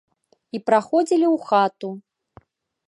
І праходзілі ў хату.